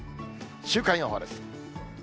週間予報です。